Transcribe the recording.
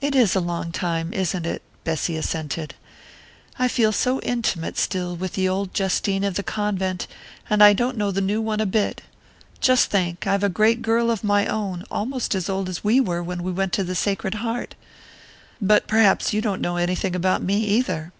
"It is a long time, isn't it?" Bessy assented. "I feel so intimate, still, with the old Justine of the convent, and I don't know the new one a bit. Just think I've a great girl of my own, almost as old as we were when we went to the Sacred Heart: But perhaps you don't know anything about me either.